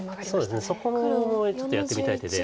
そうですねそこもちょっとやってみたい手で。